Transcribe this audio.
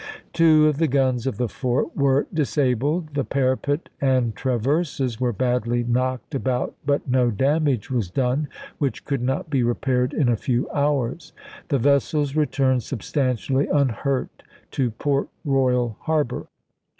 Two of the guns of the fort were dis abled, the parapet and traverses were badly knocked DU PONT BEFOBE CHARLESTON 65 about, but no damage was done which could not chap. hi. be repaired in a few hours. The vessels returned i863. substantially unhurt to Port Royal harbor.